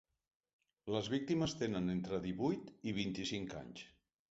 Les víctimes tenen entre divuit i vint-i-cinc anys.